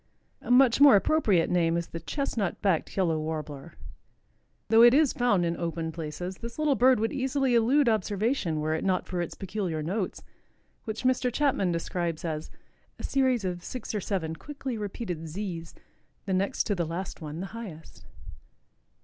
A much more appropriate name is the Chestnut backed Yellow Warbler. Though it is found in open places, this little bird would easily elude observation were it not for its peculiar notes, which Mr. Chapman describes as "a series of six or seven quickly repeated zees, the next to the last one the highest."